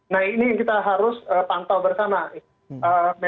nah ini yang kita harus pantau bersama